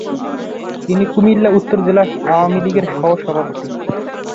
তিনি কুমিল্লা উত্তর জেলা আওয়ামী লীগের সহ-সভাপতি।